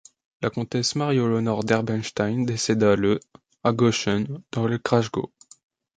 La comtesse Marie-Éléonore d'Eberstein décéda le à Gochsen, dans le Kraichgau.